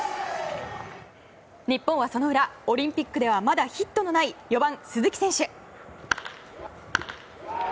日本はその裏、オリンピックではまだヒットのない４番、鈴木選手。